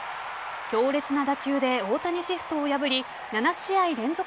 強烈な打球で大谷シフトを破り７試合連続